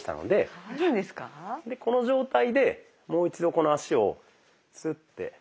でこの状態でもう一度この足をスッて。